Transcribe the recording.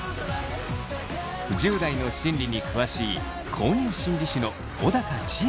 １０代の心理に詳しい公認心理師の小高千枝さんは。